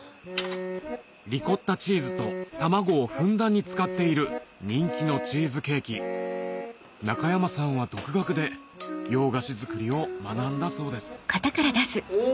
リコッタチーズと卵をふんだんに使っている人気のチーズケーキ中山さんは独学で洋菓子作りを学んだそうですお！